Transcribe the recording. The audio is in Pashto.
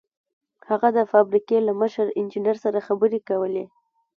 هغه د فابريکې له مشر انجنير سره خبرې کولې.